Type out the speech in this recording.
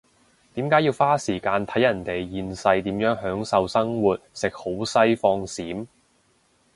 點解要花時間睇人哋現世點樣享受生活食好西放閃？